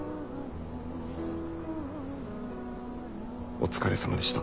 お疲れさまでした。